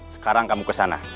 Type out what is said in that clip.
sekarang kamu ke sana